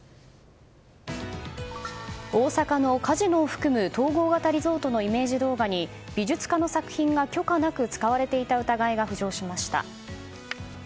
大阪のカジノを含む統合型リゾートのイメージ動画に美術家の作品が許可なく使われていた疑いが浮上しました。